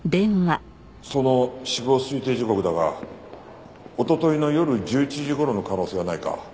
その死亡推定時刻だがおとといの夜１１時頃の可能性はないか？